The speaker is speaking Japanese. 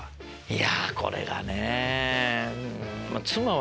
いやこれがね。